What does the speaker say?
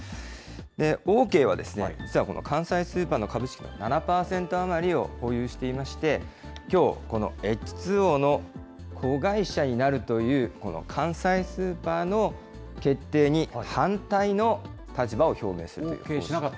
オーケーはですね、実は関西スーパーの株式の７％余りを保有していまして、きょう、このエイチ・ツー・オーの子会社になるという、この関西スーパーの決定に反対の立場を表明するという。